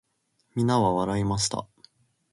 皆は笑いました。